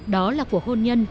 đó là của hôn nhân